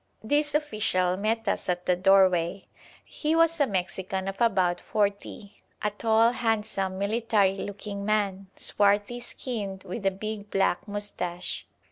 This official met us at the doorway. He was a Mexican of about forty, a tall, handsome, military looking man, swarthy skinned, with a big black moustache.